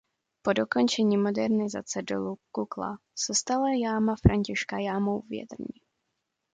Po dokončení modernizace dolu Kukla se stala jáma Františka jámou větrní.